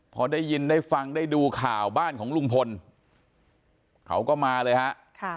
พอได้ยินได้ฟังได้ดูข่าวบ้านของลุงพลเขาก็มาเลยฮะ